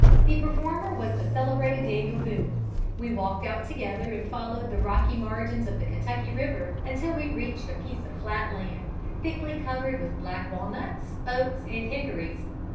The performer was the celebrated Daniel Boone. We walked out together and followed the rocky margins of the Kentucky river, until we reached a piece of flat land, thickly covered with black walnuts, oaks, and hickories.